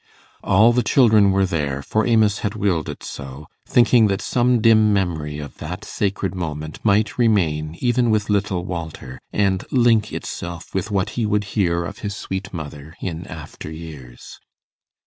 All the children were there, for Amos had willed it so, thinking that some dim memory of that sacred moment might remain even with little Walter, and link itself with what he would hear of his sweet mother in after years.